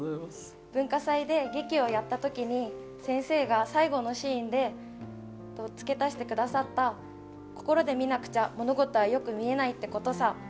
文化祭で劇をやったとき先生が最後のシーンで付け足してくださった「心で見なくちゃ物事はよく見えないってことさ。